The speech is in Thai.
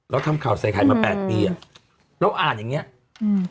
ทำข่าวใส่ไข่มาแปดปีอ่ะเราอ่านอย่างเงี้ยอืม